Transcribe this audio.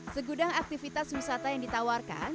segudang aktivitas wisata yang ditawarkan